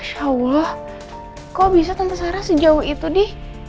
masya allah kok bisa tante sarah sejauh itu di